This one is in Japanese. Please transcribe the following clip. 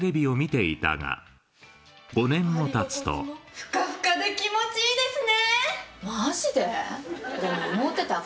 ふかふかで気持ちいいですね！